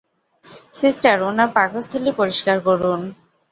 Sister, উনার পাকস্থলী পরিষ্কার করুন।